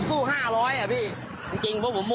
อืม